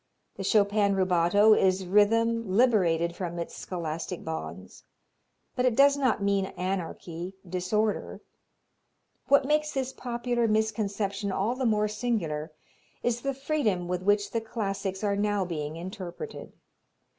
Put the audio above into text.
The Chopin rubato is rhythm liberated from its scholastic bonds, but it does not mean anarchy, disorder. What makes this popular misconception all the more singular is the freedom with which the classics are now being interpreted.